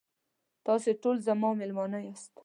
تاسې ټول زما میلمانه یاست.